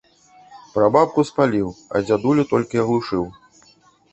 Прабабку спаліў, а дзядулю толькі аглушыў.